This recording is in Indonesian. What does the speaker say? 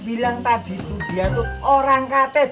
dia tuh orang kt